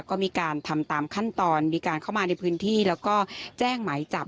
ก็มีการทำตามขั้นตอนมีการเข้ามาในพื้นที่แล้วก็แจ้งหมายจับ